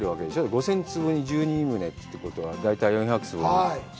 ５０００坪に１２棟ということは、大体４００坪。